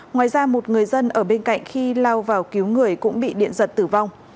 ngoài ra một người dân ở bên cạnh khi lao vào cứu người cũng bị điện giật tử vong